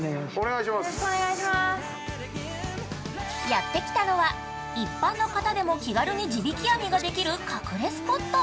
◆やってきたのは、一般の方でも気軽に地引き網ができる隠れスポット。